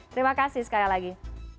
terima kasih sekali lagi